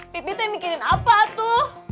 pipih teh mikirin apa tuh